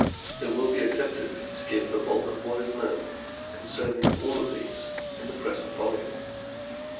It will be attempted to give the bulk of what is known con cerning all of these in the present volume.